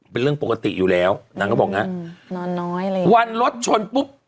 เป็นเรื่องปกติอยู่แล้วนักก็บอกนะวันรถชนปุ๊บ